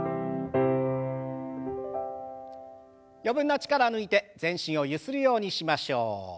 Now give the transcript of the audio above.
余分な力を抜いて全身をゆするようにしましょう。